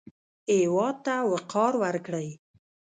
هېواد ته وقار ورکړئ